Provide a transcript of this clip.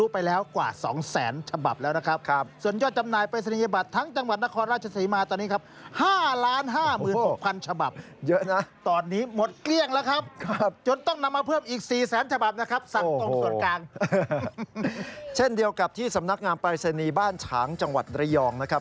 พนักงานปรายศนีย์บ้านฉางจังหวัดระยองนะครับ